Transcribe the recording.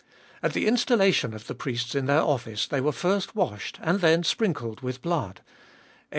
At the installation of the priests in their office they were first washed and then sprinkled with blood (Ex.